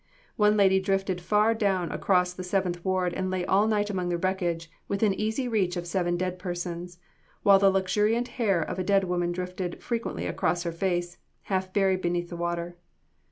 One lady drifted far down across the Seventh Ward and lay all night among the wreckage, within easy reach of seven dead persons, while the luxuriant hair of a dead woman drifted frequently across her face, half buried beneath the water.